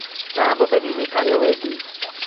چآنه با ٻنيٚ ميݩ ڪآڙوهيݩ دآ۔